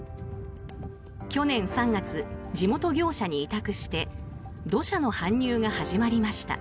去年３月、地元業者に委託して土砂の搬入が始まりました。